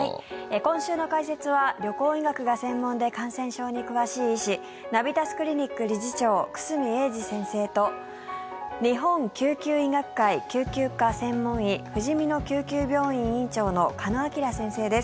今週の解説は旅行医学が専門で感染症に詳しい医師ナビタスクリニック理事長久住英二先生と日本救急医学会救急科専門医ふじみの救急病院院長の鹿野晃先生です。